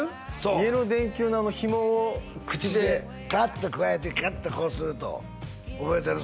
家の電球のあのひもを口でガッてくわえてガッてこうすると覚えてる？